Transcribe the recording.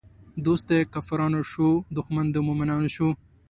دوست د کافرانو شو، دښمن د مومنانو شو